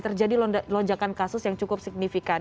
terjadi lonjakan kasus yang cukup signifikan